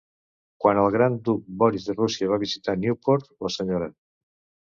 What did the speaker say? Quan el gran duc Boris de Rússia va visitar Newport, la senyora